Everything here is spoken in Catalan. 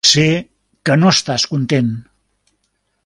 Sé que no estàs content.